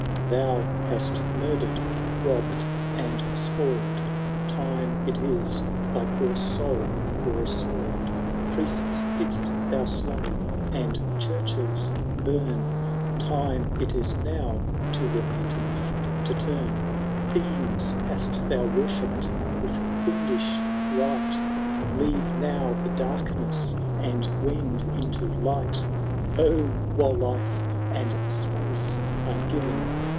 V. "" Thou hast murder*d, robbM, and spoiled. Time it is thy poor soul were assoil^d ; Priests did^st thou slay, and churches bum, Time it is now to repentance to turn ; Fiends hast thou worshipped, with fiendish rite. Leave noW the darkness, and wend into light : O ! while life and space are given.